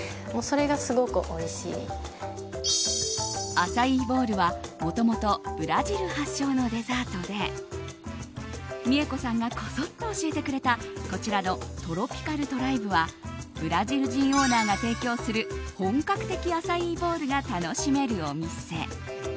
アサイーボウルは、もともとブラジル発祥のデザートでＭｉｅｋｏさんがこそっと教えてくれたこちらのトロピカルトライブはブラジル人オーナーが提供する本格的アサイーボウルが楽しめるお店。